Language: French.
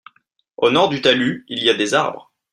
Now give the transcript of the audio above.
Au nord du talus il y a des arbres.